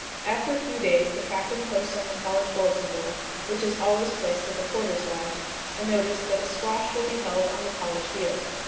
After a few days the captain posts on the college bulletin board, which is always placed at the Porter's Lodge, a notice that a squash will be held on the college field.